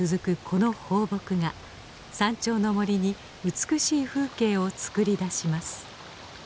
この放牧が山頂の森に美しい風景を作り出します。